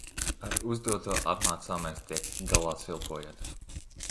Ar uzdoto apmācāmais tiek galā svilpojot.